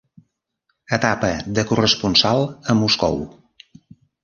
Etapa de corresponsal a Moscou.